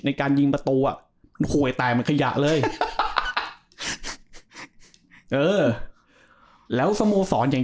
ในการยิงประตูอ่ะมันโหยตายเหมือนขยะเลยเออแล้วสโมสรอย่าง